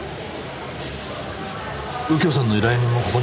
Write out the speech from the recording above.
右京さんの依頼人もここに？